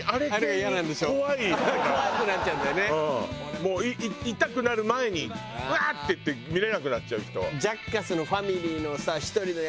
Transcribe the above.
もう痛くなる前にうわー！っていって見れなくなっちゃう人。